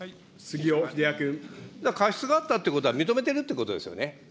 過失があったということは、認めてるってことですよね。